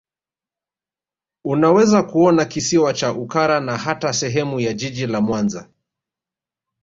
Unaweza kuona Kisiwa cha Ukara na hata sehemu ya Jiji la Mwanza